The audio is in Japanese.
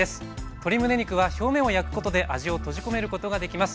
鶏むね肉は表面を焼くことで味を閉じ込めることができます。